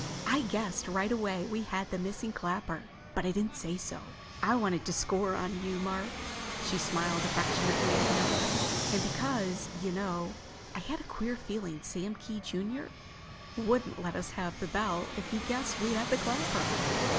"I guessed right away we had the missing clapper. But I didn't say so. I wanted to score on you, Mark—" she smiled affectionately at him—"and because, you know, I had a queer feeling Sam Kee, junior, wouldn't let us have the bell if he guessed we had the clapper."